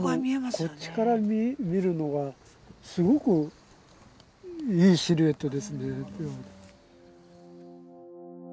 こっちから見るのがすごくいいシルエットですね。